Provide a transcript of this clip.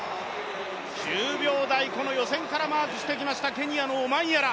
９秒台、この予選からマークしてきましたケニアのオマンヤラ。